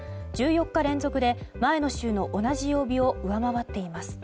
１４日連続で前の週の同じ曜日を上回っています。